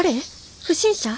不審者！？